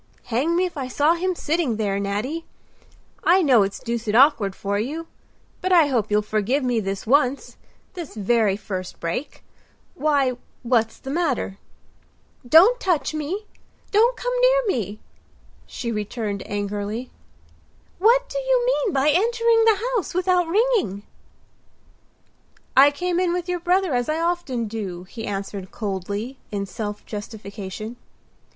"Hang me if I saw him sitting there, Nattie! I know it's deuced awkward for you. But I hope you'll forgive me this once—this very first break. Why, what's the matter?" "Don't touch me; don't come near me," she returned angrily. "What do you mean by entering the house without ringing?" "I came in with your brother, as I often do," he answered coldly, in self justification.